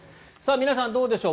皆さん、どうでしょう。